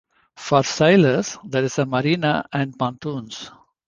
For sailors, there is a marina and pontoons.